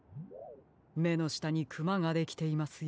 めのしたにくまができていますよ。